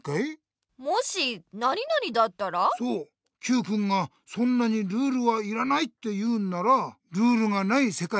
そうＱくんがそんなにルールはいらないって言うんならルールがないせかいを考えてみようじゃないか。